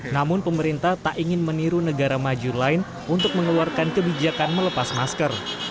namun pemerintah tak ingin meniru negara maju lain untuk mengeluarkan kebijakan melepas masker